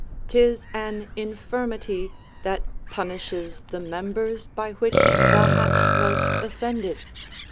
'Tis an infirmity that punishes the members by which thou hast most offended.